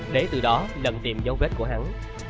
để từ đó lần tìm dấu vết của hắn